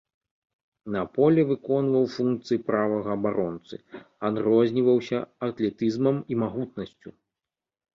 На поле выконваў функцыі правага абаронцы, адрозніваўся атлетызмам і магутнасцю.